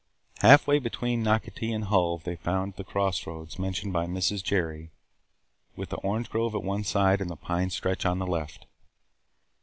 Half way between Nocatee and Hull they found the cross roads mentioned by Mrs. Jerry with the orange grove at one side and the pine stretch on the left.